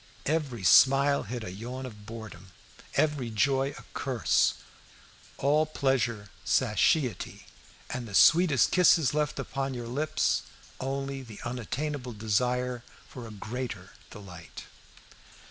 Every smile hid a yawn of boredom, every joy a curse, all pleasure satiety, and the sweetest kisses left upon your lips only the unattainable desire for a greater delight.